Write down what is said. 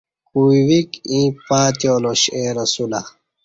کوئ ویک ییں پاتیالاش اے رسولہ